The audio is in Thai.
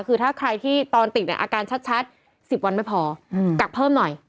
คือถ้าใครที่ตอนติดเนี่ยอาการชัด๑๐วันไม่พอกักเพิ่มหน่อย